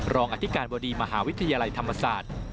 อธิการบดีมหาวิทยาลัยธรรมศาสตร์